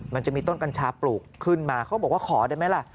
มันจะมีต้นกัญชาปลูกขึ้นมาเขาบอกว่าขอได้ไหมล่ะ